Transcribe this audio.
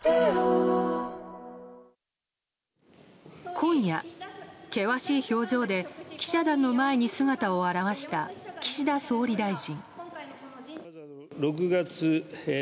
今夜、険しい表情で記者団の前に姿を現した岸田総理大臣。